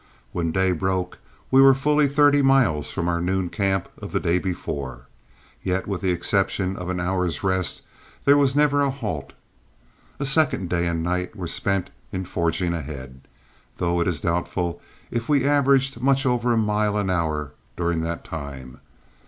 When day broke we were fully thirty miles from our noon camp of the day before, yet with the exception of an hour's rest there was never a halt. A second day and night were spent in forging ahead, though it is doubtful if we averaged much over a mile an hour during that time.